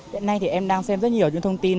hiện nay thì em đang xem rất nhiều những thông tin